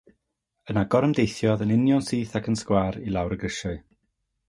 Yna gorymdeithiodd, yn unionsyth ac yn sgwâr, i lawr y grisiau.